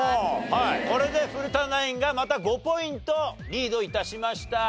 はいこれで古田ナインがまた５ポイントリード致しました。